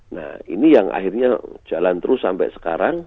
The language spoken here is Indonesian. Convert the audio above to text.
nah ini yang akhirnya jalan terus sampai sekarang